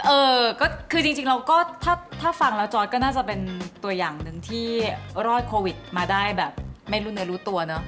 เออก็คือจริงเราก็ถ้าฟังแล้วจอร์ดก็น่าจะเป็นตัวอย่างหนึ่งที่รอดโควิดมาได้แบบไม่รู้เนื้อรู้ตัวเนอะ